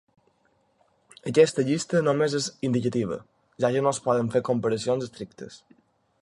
Aquesta llista només és indicativa, ja que no es poden fer comparacions estrictes.